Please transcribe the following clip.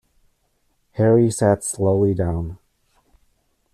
Harry sat slowly down.